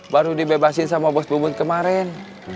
baru dibebasin sama bos bubut kemarin